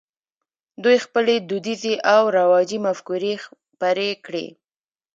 دوی خپلې دودیزې او رواجي مفکورې خپرې کړې.